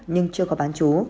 nhưng chưa có bán trú